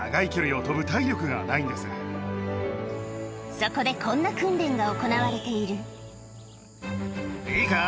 そこでこんな訓練が行われているいいか？